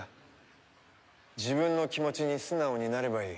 自分の気持ちに素直になればいい。